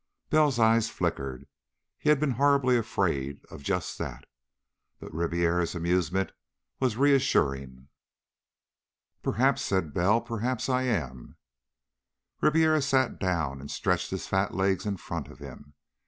Bell's eyes flickered. He had been horribly afraid of just that. But Ribiera's amusement was reassuring. "Perhaps," said Bell. "Perhaps I am." Ribiera sat down and stretched his fat legs in front of him.